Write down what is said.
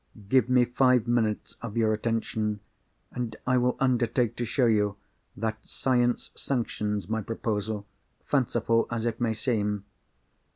Give me five minutes of your attention; and I will undertake to show you that Science sanctions my proposal, fanciful as it may seem.